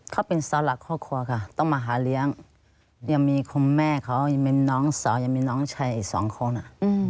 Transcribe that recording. เขาเป็นเสาหลักครอบครัวค่ะต้องมาหาเลี้ยงยังมีคุณแม่เขายังเป็นน้องสาวยังมีน้องชายอีกสองคนอ่ะ